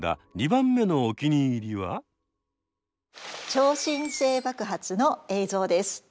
超新星爆発の映像です。